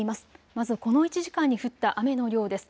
まずこの１時間に降った雨の量です。